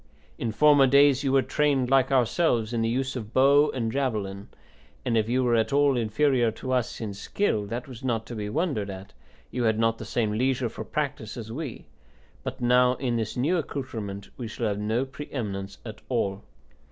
In former days you were trained, like ourselves, in the use of bow and javelin, and if you were at all inferior to us in skill, that was not to be wondered at; you had not the same leisure for practice as we; but now in this new accoutrement we shall have no pre eminence at all.